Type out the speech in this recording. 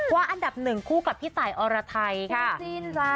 ว่าอันดับ๑คู่กับพี่ตายออรไทยค่ะ